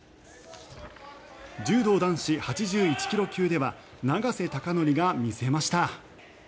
柔道男子８１ｋｇ級では永瀬貴規が見せました。